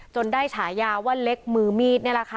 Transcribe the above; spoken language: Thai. ได้ฉายาว่าเล็กมือมีดนี่แหละค่ะ